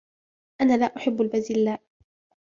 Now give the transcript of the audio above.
انا لا احب البازلاء